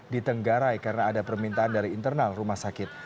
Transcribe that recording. ditenggarai karena ada permintaan dari internal rumah sakit